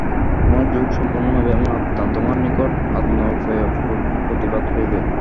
তোমার যোগ সম্পূর্ণ হইবে এবং আত্মা তোমার নিকট আত্মারূপেই প্রতিভাত হইবে।